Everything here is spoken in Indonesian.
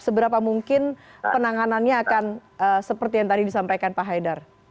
seberapa mungkin penanganannya akan seperti yang tadi disampaikan pak haidar